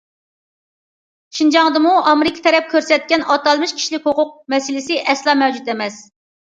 شىنجاڭدىمۇ ئامېرىكا تەرەپ كۆرسەتكەن ئاتالمىش كىشىلىك ھوقۇق مەسىلىسى ئەسلا مەۋجۇت ئەمەس.